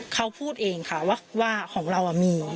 เขาพูดเองค่ะว่าของเรามี